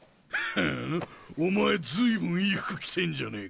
ふんお前ずいぶんいい服着てんじゃねえか。